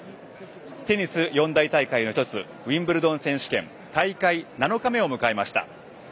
テニス四大大会の１つウィンブルドン選手権大会７日目を迎えました。